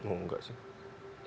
oh nggak sih